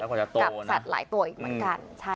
กับสัตว์หลายตัวอีกเหมือนกัน